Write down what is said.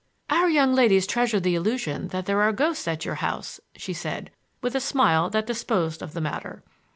"Our young ladies treasure the illusion that there are ghosts at your house" she said, with a smile that disposed of the matter.